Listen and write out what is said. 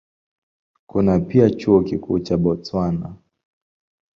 Kuna pia Chuo Kikuu cha Botswana.